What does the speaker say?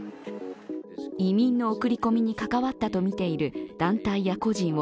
移民の送り込みに関わったとみている団体や個人を